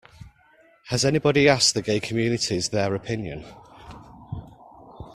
Has anybody asked the gay communities their opinion?